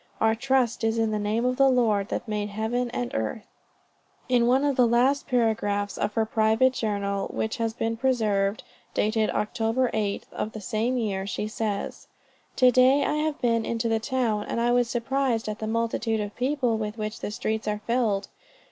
"our trust is in the name of the Lord that made heaven and earth." In one of the last paragraphs of her private journal which has been preserved, dated Oct. 8th of the same year, she says: "To day I have been into the town, and I was surprised at the multitude of people with which the streets are filled.